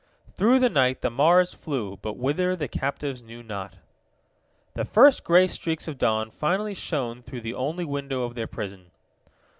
Through the night the Mars flew, but whither the captives knew not. The first gray streaks of dawn finally shone through the only window of their prison.